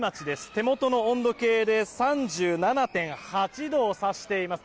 手元の温度計で３７．８度を指しています。